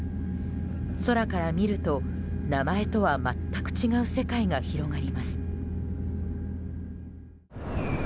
空から見ると、名前とは全く違う世界が広がります。